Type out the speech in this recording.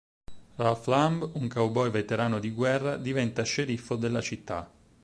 Ralph Lamb, un cowboy veterano di guerra, diventa sceriffo della città.